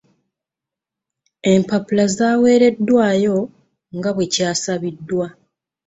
Empapula zaweeredwayo nga bwe kyasabiddwa.